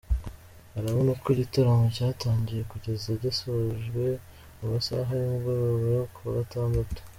Urabona uko igitaramo cyatangiye kugeza gisojwe mu masaha y’umugoroba yo kuwa Gatandatu.